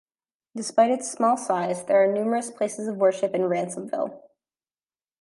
Despite its small size there are numerous places of worship in Ransomville.